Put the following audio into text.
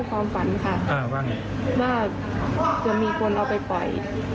ความฝันค่ะอ่าว่าไงว่าจะมีคนเอาไปปล่อย